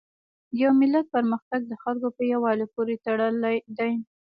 د یو ملت پرمختګ د خلکو په یووالي پورې تړلی دی.